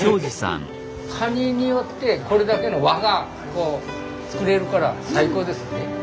カニによってこれだけの輪がこう作れるから最高ですね。